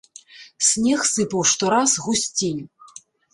Снег сыпаў штораз гусцей.